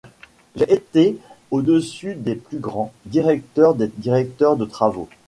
J'ai été au-dessus des plus grands, Directeur des directeurs de travaux.